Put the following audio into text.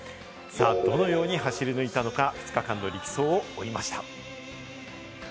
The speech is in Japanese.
どのように走り抜いたのか、２日間の力走を追いました。